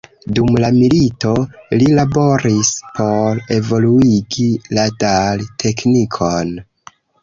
Dum la milito, li laboris por evoluigi radar-teknikon.